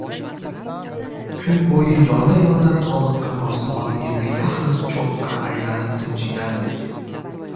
Kun bo‘yi yona- yona toliqqan osmon endi yaxlit cho‘g‘ga aylanib tinchigandek.